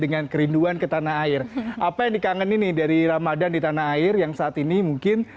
dengan kerinduan ke tanah air apa yang dikangenin dari ramadhan di tanah air yang saat ini mungkin